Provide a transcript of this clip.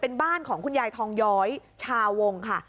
เป็นบ้านของคุณยายทองย้อยชาวงค่ะ